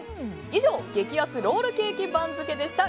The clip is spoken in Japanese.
以上、“激アツ”ロールケーキ番付でした。